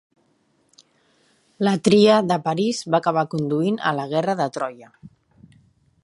La tria de Paris va acabar conduint a la guerra de Troia.